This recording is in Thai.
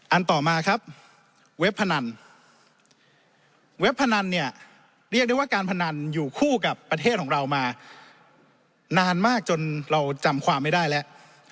ต่อมาครับเว็บพนันเว็บพนันเนี่ยเรียกได้ว่าการพนันอยู่คู่กับประเทศของเรามานานมากจนเราจำความไม่ได้แล้ว